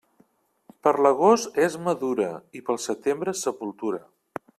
Per l'agost és madura, i pel setembre, sepultura.